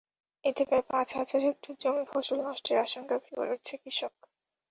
এতে প্রায় পাঁচ হাজার হেক্টর জমির ফসল নষ্টের আশঙ্কা করছে কৃষক।